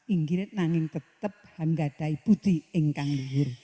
inginit nangin tetep hanggadai budi engkang liur